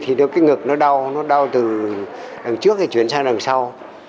thì cái ngực nó đau nó đau từ đằng trước thì chuyển sang đằng sau